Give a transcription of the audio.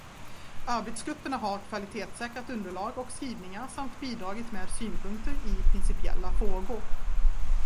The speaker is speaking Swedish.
Arbetsgrupperna har kvalitetssäkrat underlag och skrivningar samt bidragit med synpunkter i principiella frågor.